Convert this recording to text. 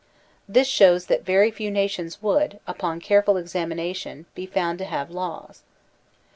This shows that very few nations would, upon care ful examination, be found to have laws.